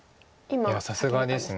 いやさすがです。